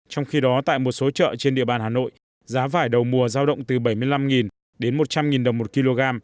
trong khi đó tại một số chợ trên địa bàn hà nội giá vải đầu mùa giao động từ bảy mươi năm đến một trăm linh đồng một kg